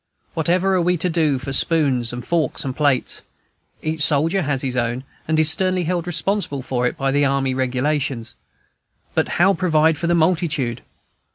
What ever are we to do for spoons and forks and plates? Each soldier has his own, and is sternly held responsible for it by "Army Regulations." But how provide for the multitude?